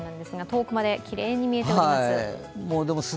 遠くまできれいに見えております。